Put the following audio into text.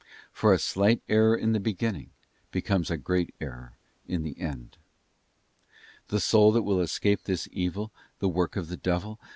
For a slight error in the beginning becomes a great error in the end. The soul that will escape this evil, the work of the devil, Biinaness r